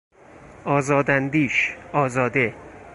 آزاد اندیش، آزاده